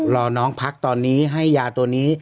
รอน้องพักตอนนี้ให้ยาตัวนี้